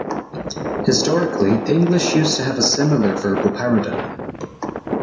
Historically, English used to have a similar verbal paradigm.